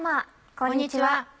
こんにちは。